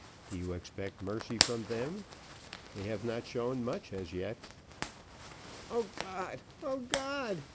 Do you expect mercy from them they have not showed much as yet." "O God O God!"